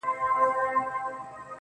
ستړى په گډا سومه ،چي، ستا سومه~